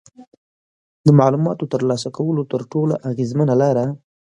د معلوماتو ترلاسه کولو تر ټولو اغیزمنه لاره